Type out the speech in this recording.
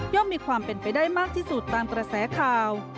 มีความเป็นไปได้มากที่สุดตามกระแสข่าว